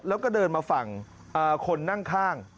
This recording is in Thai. แล้วก็เดินมาฝั่งคนนั่งข้าง